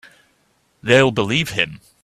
They'll believe him.